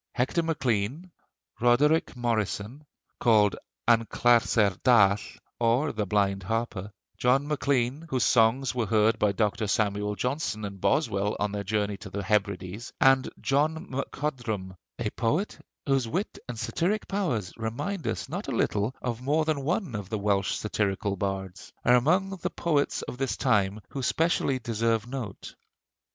Hector Maclean; Roderick Morrison, called An Clarsair Dall, or the Blind Harper; John Maclean, whose songs were heard by Dr. Samuel Johnson and Boswell on their journey to the Hebrides; and John MacCodrum (a poet whose wit and satiric powers remind us not a little of more than one of the Welsh satirical bards), are among the poets of this time who specially deserve note.